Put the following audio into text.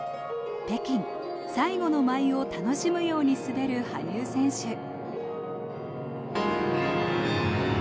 北京、最後の舞を楽しむように滑る羽生選手。